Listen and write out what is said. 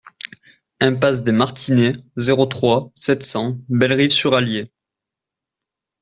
Impasse des Martinets, zéro trois, sept cents Bellerive-sur-Allier